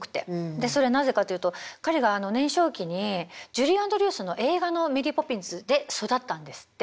でそれはなぜかと言うと彼が年少期にジュリー・アンドリュースの映画の「メリー・ポピンズ」で育ったんですって。